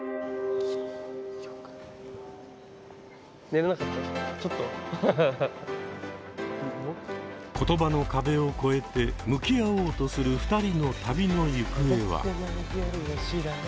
例えば言葉の壁を超えて向き合おうとする２人の旅の行方は？